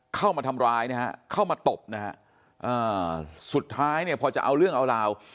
เข้ามาทำร้ายนะฮะเข้ามาตบนะฮะสุดท้ายเนี่ยพอจะเอาเรื่องเอาราว